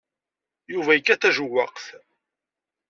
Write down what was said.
Yuba yekkat tajewwaqt.